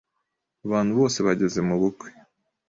Abantu bose bageze mubukwe.